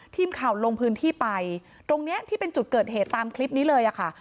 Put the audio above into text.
ทีมข่าวลงพื้นที่ไปตรงนี้ที่เป็นจุดเกิดเหตุตามคลิปนี้เลยค่ะ